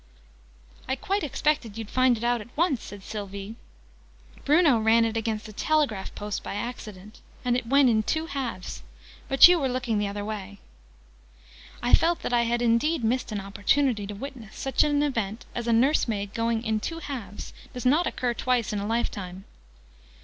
"I quite expected you'd find it out, once," said Sylvie. "Bruno ran it against a telegraph post, by accident. And it went in two halves. But you were looking the other way." I felt that I had indeed missed an opportunity: to witness such an event as a nursemaid going 'in two halves' does not occur twice in a life time!